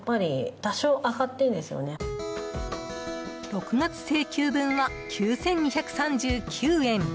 ６月請求分は９２３９円。